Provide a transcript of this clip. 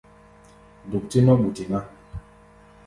Duk-tí nɔ́ ɓuti ná.